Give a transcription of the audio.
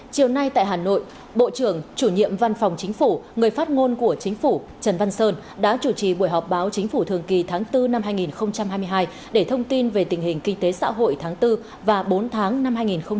chiều nay tại hà nội bộ trưởng chủ nhiệm văn phòng chính phủ người phát ngôn của chính phủ trần văn sơn đã chủ trì buổi họp báo chính phủ thường kỳ tháng bốn năm hai nghìn hai mươi hai để thông tin về tình hình kinh tế xã hội tháng bốn và bốn tháng năm hai nghìn hai mươi ba